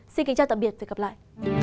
xin kính chào tạm biệt và hẹn gặp lại